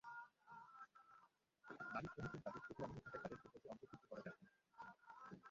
নারী শ্রমিকদের কাজের প্রতি অনীহা থাকায় তাঁদের প্রকল্পে অন্তর্ভুক্ত করা যাচ্ছে না।